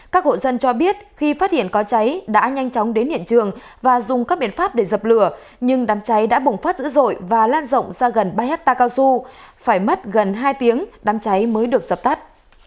các hộ dân cho biết khi phát hiện có cháy đã nhanh chóng đến hiện trường và dùng các biện pháp để dập lửa nhưng đám cháy đã bùng phát dữ dội và lan rộng ra gần ba hectare cao su phải mất gần hai tiếng đám cháy mới được dập tắt